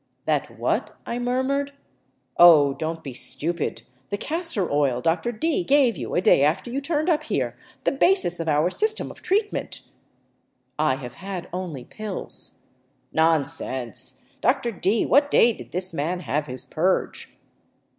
" That what ?'* I murmured. " Oh, don't be stupid ! The castor oil Dr. D gave you a day after you turned up here ; the basis of our system of treatment." " I have had only pills." " Nonsense ! Dr. D, what day did this man have his purge